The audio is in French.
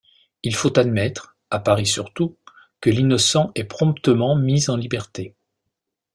Il faut admettre, à Paris surtout, que l’innocent est promptement mis en liberté.